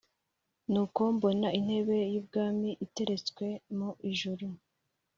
Nuko mbona intebe y’ubwami iteretswe mu ijuru,